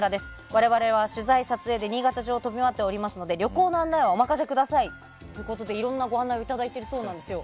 我々は取材で新潟中を飛び回っていますので旅行の案内はお任せくださいということでいろんなご案内をいただいているそうなんですよ。